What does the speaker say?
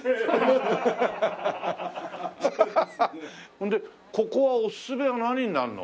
それでここはおすすめは何になるの？